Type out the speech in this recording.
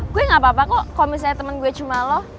gue gak apa apa kok kalau misalnya temen gue cuma lo